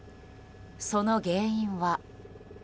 その原因は。